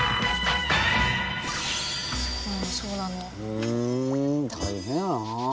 ふん大変やなあ。